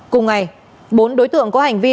cùng ngày bốn đối tượng có hành vi